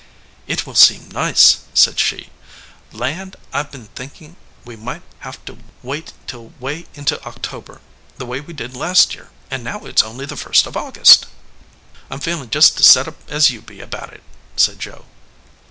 "It will seem nice," said she. "Land ! I d been thinkin we might have to wait till way into Oc tober, the way we did last year, and now it s only the first of August." "I m feelin jest as set up as you be about it," said Joe.